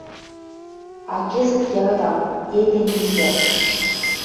А кӹзӹт ядам, эдем лидӓ: